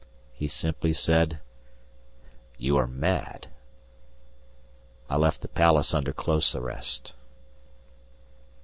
He simply said, "You are mad." I left the Palace under close arrest.